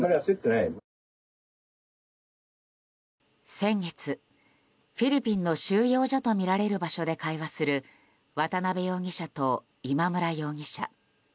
先月、フィリピンの収容所とみられる場所で会話する渡邉容疑者と今村容疑者。